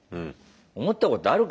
思ったことあるか？